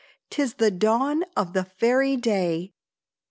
'Tis the dawn of the fairy day."